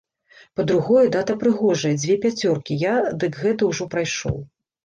Па-другое, дата прыгожая, дзве пяцёркі, я дык гэта ўжо прайшоў.